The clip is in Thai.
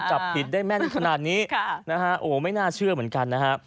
จับผิดได้แม่นขนาดนี้นะฮะโอ้ไม่น่าเชื่อเหมือนกันนะฮะ